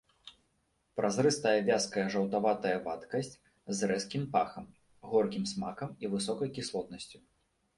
Празрыстая вязкая жаўтаватая вадкасць з рэзкім пахам, горкім смакам і высокай кіслотнасцю.